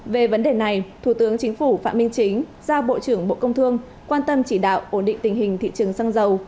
về vấn đề này thủ tướng chính phủ phạm minh chính giao bộ trưởng bộ công thương quan tâm chỉ đạo ổn định tình hình thị trường xăng dầu